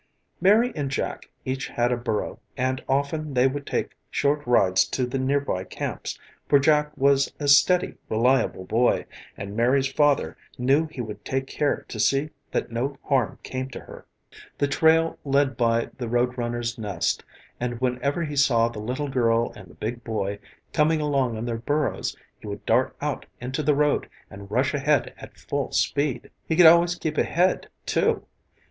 Mary and Jack each had a burro and often they would take short rides to the nearby camps, for Jack was a steady, reliable boy and Mary's father knew he would take care to see that no harm came to her. The trail led by the road runner's nest and whenever he saw the little girl and the big boy coming along on their burros he would dart out into the road and rush ahead at full speed. He could always keep ahead, too.